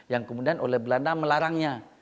yang kemudian oleh belanda melarangnya